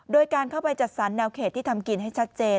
โดยการเข้าไปจัดสรรแนวเขตที่ทำกินให้ชัดเจน